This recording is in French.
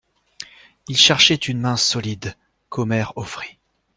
Il cherchait une main solide, qu'Omer offrit.